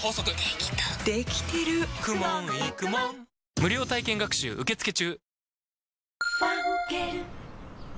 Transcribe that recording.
無料体験学習受付中！女性）